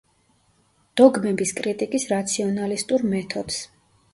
დოგმების კრიტიკის რაციონალისტურ მეთოდს.